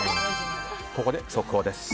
ここで速報です。